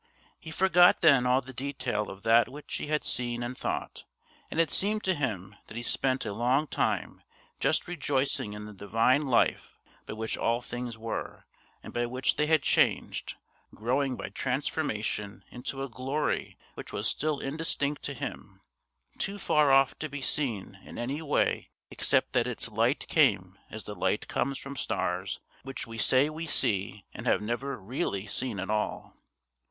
He forgot then all the detail of that which he had seen and thought, and it seemed to him that he spent a long time just rejoicing in the divine life by which all things were, and by which they changed, growing by transformation into a glory which was still indistinct to him, too far off to be seen in any way except that its light came as the light comes from stars which we say we see and have never really seen at all.